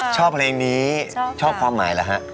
ชอบเพลงนี้ชอบความหมายเหรอฮะ